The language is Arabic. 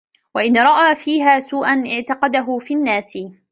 وَإِنْ رَأَى فِيهَا سُوءًا اعْتَقَدَهُ فِي النَّاسِ